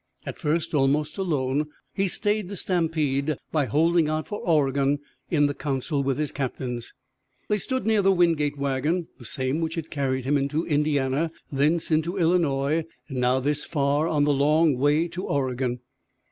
At first almost alone, he stayed the stampede by holding out for Oregon in the council with his captains. They stood near the Wingate wagon, the same which had carried him into Indiana, thence into Illinois, now this far on the long way to Oregon.